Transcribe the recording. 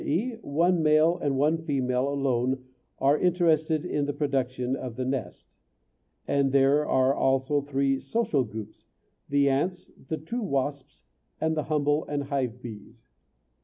e. one male and one female alone are interested in the production of the nest; but there are also three "social" groups the ants, the true wasps, and the humble and hive bees.